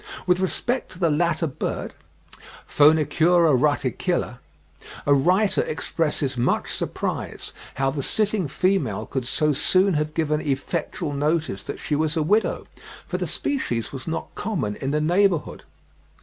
With respect to the latter bird (Phoenicura ruticilla), a writer expresses much surprise how the sitting female could so soon have given effectual notice that she was a widow, for the species was not common in the neighbourhood.